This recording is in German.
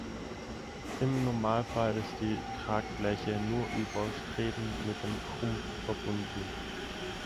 Im Normalfall ist die Tragfläche nur über Streben mit dem Rumpf verbunden.